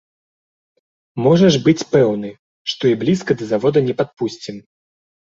Можаш быць пэўны, што і блізка да завода не падпусцім.